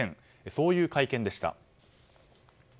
そういう会見でした。